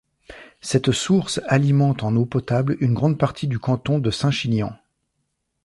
Cette source alimente en eau potable une grande partie du canton de Saint-Chinian.